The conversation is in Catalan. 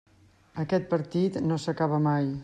Aquest partit no s'acaba mai.